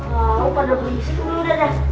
kau pada bersih dulu dadah